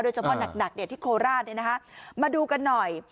โดยเฉพาะหนักที่โคลอาทธิ์มาดูกันหน่อย